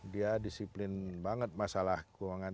dia disiplin banget masalah keuangan